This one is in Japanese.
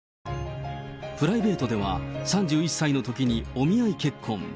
プライベートでは、３１歳のときにお見合い結婚。